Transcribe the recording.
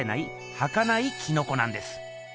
はかないキノコなんです。